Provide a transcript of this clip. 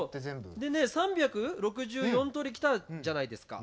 でね３６４通り来たじゃないですか。